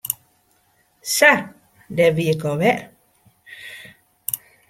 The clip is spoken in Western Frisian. Sa, dêr wie ik al wer.